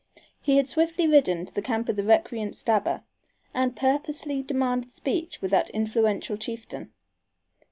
He had swiftly ridden to the camp of the recreant Stabber and purposely demanded speech with that influential chieftain.